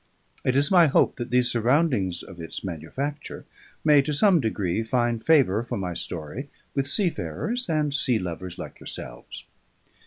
It is my hope that these surroundings of its manufacture may to some degree find favour for my story with seafarers and sea lovers like yourselves.